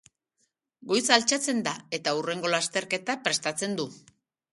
Goiz altxatzen da eta hurrengo lasterketa prestatzen du.